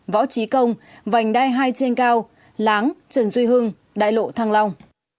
võ trí công vành đai hai trên cao láng trần duy hưng đại lộ thăng long